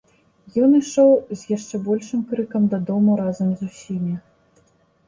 Ён ішоў з яшчэ большым крыкам дадому разам з усімі.